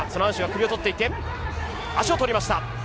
足を取りました。